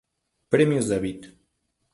Premios David.